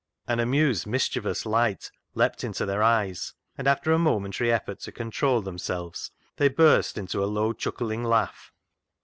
An amused mischievous light leapt into their eyes, and after a momentary effort to control themselves they burst into a low chuckling laugh.